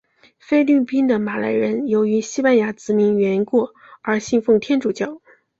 菲律宾的马来人由于西班牙殖民缘故而信奉天主教。